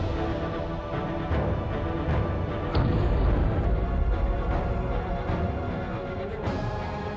sekarang bawa bapak ikut saja